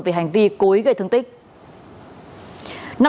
về hành vi cối gây thương tích